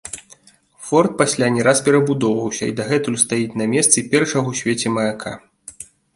Форт пасля не раз перабудоўваўся і дагэтуль стаіць на месцы першага ў свеце маяка.